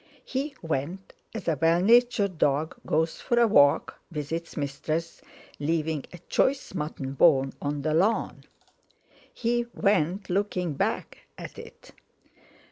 He went as a well natured dog goes for a walk with its mistress, leaving a choice mutton bone on the lawn. He went looking back at it.